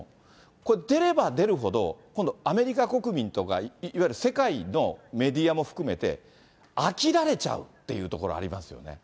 これ、出れば出るほど、今度アメリカ国民とか、いわゆる世界のメディアも含めて、飽きられちゃうっていうところありますよね。